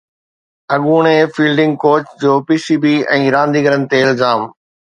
اڳوڻي fielding coach جو P C B ۽ رانديگرن تي الزام